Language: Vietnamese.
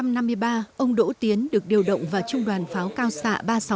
năm một nghìn chín trăm năm mươi ba ông đỗ tiến được điều động vào trung đoàn pháo cao xạ ba trăm sáu mươi bảy